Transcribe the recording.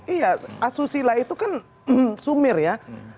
iya asusila itu kan sumir ya